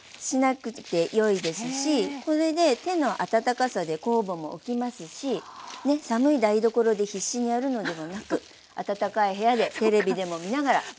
しなくってよいですしこれで手の温かさで酵母もおきますし寒い台所で必死にやるのではなく暖かい部屋でテレビでも見ながら。